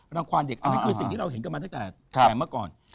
ความเด็กอันนั้นคือสิ่งที่เราเห็นกันมาตั้งแต่เมื่อก่อน